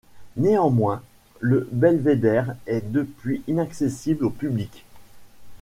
Néanmoins, le belvédère est depuis inaccessible au public.